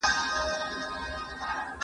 زه پرون لوښي وچوم وم؟